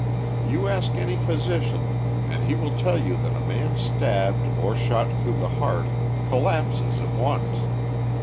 You ask any physician and he will tell you that a man stabbed or shot through the heart collapses at once.